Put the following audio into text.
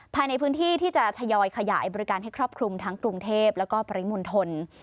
ภายในพื้นที่ที่จะทยอยขยายบริการให้ครอบคลุมทั้งกรุงเทพแล้วก็ปริมณฑล